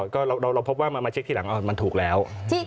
ก็เราพบว่ามาเช็คทีหลังมันถูกแล้ว